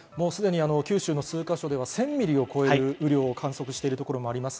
九州の数か所では１０００ミリを超える雨量を観測してるところもあります。